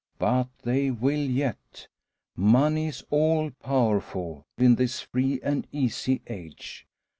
But they will yet. Money is all powerful in this free and easy age.